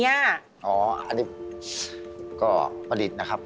อ๋ออันนี้ก็ประดิษฐ์นะครับ